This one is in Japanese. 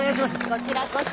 こちらこそ。